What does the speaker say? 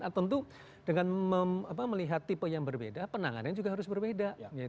tentu dengan melihat tipe yang berbeda penanganannya juga harus berbeda